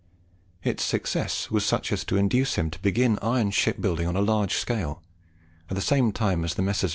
Its success was such as to induce him to begin iron shipbuilding on a large scale, at the same time as the Messrs.